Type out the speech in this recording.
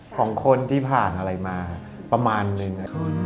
ของคนที่ผ่านอะไรมาประมาณนึงนะครับ